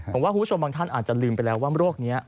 ผมว่าคุณผู้ชมบางท่านอาจจะลืมไปแล้วว่าโรคนี้